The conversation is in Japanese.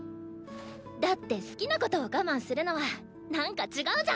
だって好きなことを我慢するのはなんか違うじゃん！